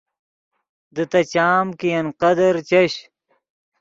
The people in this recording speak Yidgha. دے تے چام کہ ین قدر چش